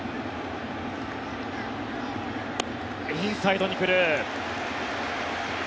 インサイドに来る。